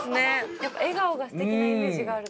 やっぱ笑顔がすてきなイメージがあるから。